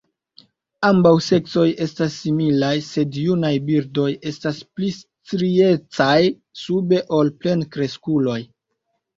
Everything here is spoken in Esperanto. Ambaŭ seksoj estas similaj, sed junaj birdoj estas pli striecaj sube ol plenkreskuloj.